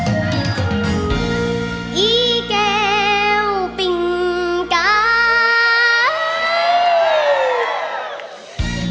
อีแก้วเป็นใคร